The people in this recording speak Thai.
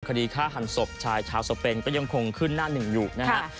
คดีฆ่าหันศพชายชาวสเปนก็ยังคงขึ้นหน้าหนึ่งอยู่นะฮะ